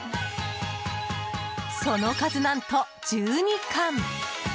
その数、何と１２貫。